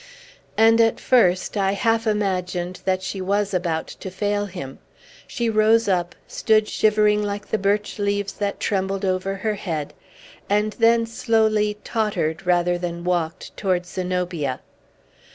And, at first, I half imagined that she was about to fail him. She rose up, stood shivering like the birch leaves that trembled over her head, and then slowly tottered, rather than walked, towards Zenobia.